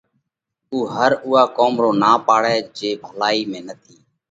اُو ھر اُوئا ڪوم رو نا پاڙئھ جئي ڀلائِي ۾ نٿِي۔